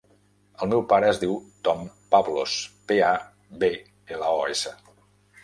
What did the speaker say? El meu pare es diu Tom Pablos: pe, a, be, ela, o, essa.